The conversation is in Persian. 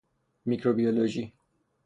میکروبیولوژی